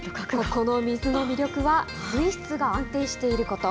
ここの水の魅力は、水質が安定していること。